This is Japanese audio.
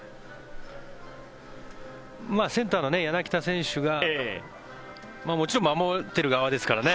センターの柳田選手がもちろん守っている側ですから。